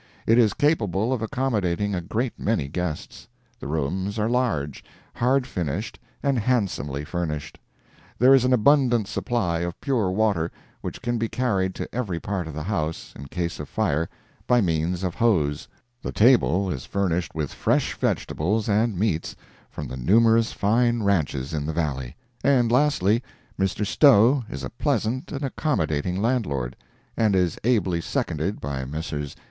It is capable of accommodating a great many guests. The rooms are large, "hard finished" and handsomely furnished; there is an abundant supply of pure water, which can be carried to every part of the house, in case of fire, by means of hose; the table is furnished with fresh vegetables and meats from the numerous fine ranches in the valley, and lastly, Mr. Stowe is a pleasant and accommodating landlord, and is ably seconded by Messrs.